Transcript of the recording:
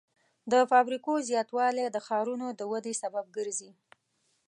د فابریکو زیاتوالی د ښارونو د ودې سبب ګرځي.